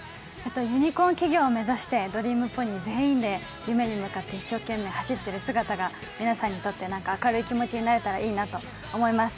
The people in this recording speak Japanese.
ユニコーン企業目指して、ドリームポニー全員で夢に向かって一生懸命走っている姿が皆さんにとって明るい気持ちになれたらいいなと思います。